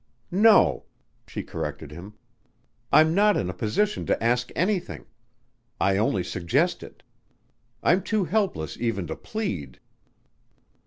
"No," she corrected him. "I'm not in a position to ask anything.... I only suggest it. I'm too helpless even to plead."